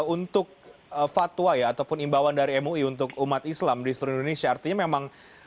untuk fatwa ya ataupun imbauan dari mui untuk umat islam di seluruh indonesia artinya memang